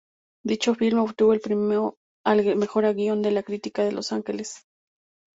Dicho film obtuvo el premio al mejor guion de la Crítica de Los Ángeles.